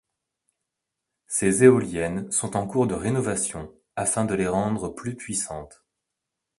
Ces éoliennes sont en cours de rénovation afin de les rendre plus puissantes.